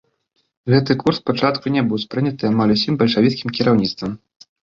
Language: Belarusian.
Гэты курс спачатку не быў успрыняты амаль усім бальшавіцкім кіраўніцтвам.